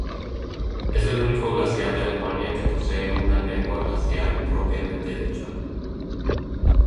Es el único glaciar de Alemania que posee una lengua glaciar propiamente dicha.